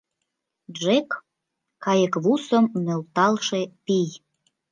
Джек — кайыквусым нӧлталше пий.